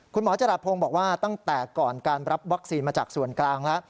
คุณหมอจรัฐพงศ์บอกว่าตั้งแต่ก่อนการรับวัคซีนมาจากส่วนกลาง